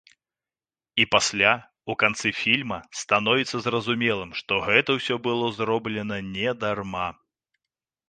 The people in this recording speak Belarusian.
І пасля, у канцы фільма, становіцца зразумелым, што гэта ўсё было зроблена не дарма.